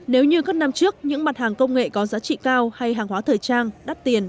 nếu như các năm trước những mặt hàng công nghệ có giá trị cao hay hàng hóa thời trang đắt tiền